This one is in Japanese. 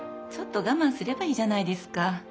ちょっと我慢すればいいじゃないですか。